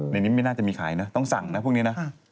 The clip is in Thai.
ในนี้ไม่น่าจะมีขายนะต้องสั่งนะพวกนี้นะ